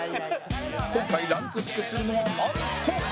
今回ランク付けするのはなんと